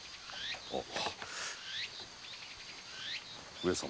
上様。